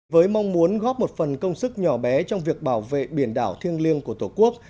với mong muốn góp một phần công sức nhỏ bé trong việc bảo vệ biển đảo thiêng liêng của tổ quốc